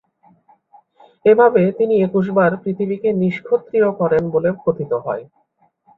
এভাবে তিনি একুশবার পৃথিবীকে নিঃক্ষত্রিয় করেন বলে কথিত হয়।